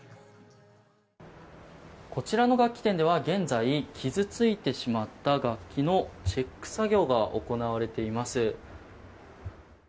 こちらの楽器店では現在、傷ついてしまった楽器のチェック作業が行われています。